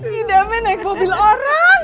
hidupnya naik mobil orang